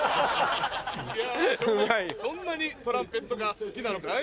そんなにトランペットが好きなのかい？